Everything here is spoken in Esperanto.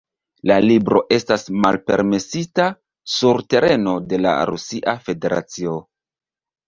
La libro estas malpermesita sur tereno de la Rusia Federacio.